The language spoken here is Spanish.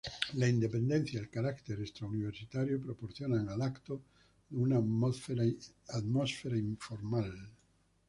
La independencia y el carácter extra-univeristario proporciona al evento de una atmósfera informal.